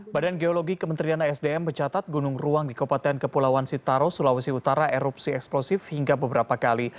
badan geologi kementerian sdm mencatat gunung ruang di kabupaten kepulauan sitaro sulawesi utara erupsi eksplosif hingga beberapa kali